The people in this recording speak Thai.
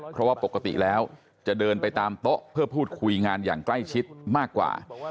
เพราะว่าปกติแล้วจะเดินไปตามโต๊ะเพื่อพูดคุยงานอย่างใกล้ชิดมากกว่า